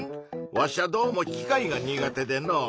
わしゃどうも機械が苦手でのう。